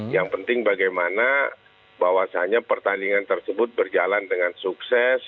yang penting bagaimana bahwasannya pertandingan tersebut berjalan dengan sukses